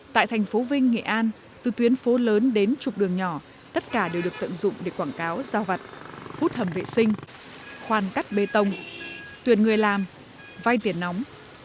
tại thành phố vinh nghệ an từ tuyến phố lớn đến trục đường nhỏ tất cả đều được tận dụng để quảng cáo giao vặt hút hầm vệ sinh khoan cắt bê tông tuyển người làm vay tiền nóng